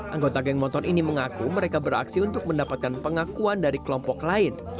anggota geng motor ini mengaku mereka beraksi untuk mendapatkan pengakuan dari kelompok lain